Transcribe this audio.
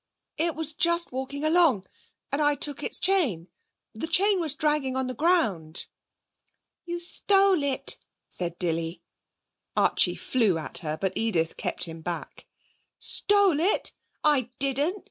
'It was just walking along, and I took its chain. The chain was dragging on the ground.' 'You stole it,' said Dilly. Archie flew at her, but Edith kept him back. 'Stole it! I didn't!